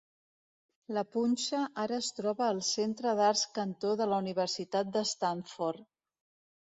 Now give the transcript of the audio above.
La punxa ara es troba al Centre d'Arts Cantor de la Universitat de Stanford.